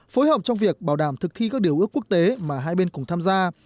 phối hợp trong việc bảo đảm thực thi các điều ước quốc tế mà hai bên cùng tham gia